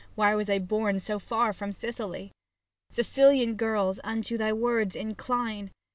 Why was I born so far from Sicily ?— Sicilian girls, unto my words incline.